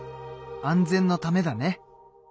安全のためだね。